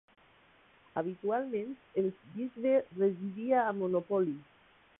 Habitualment, el bisbe residia a Monopoli.